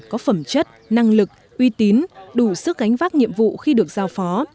có phẩm chất năng lực uy tín đủ sức ánh vác nhiệm vụ khi được giao phó